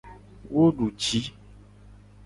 Wo du ji.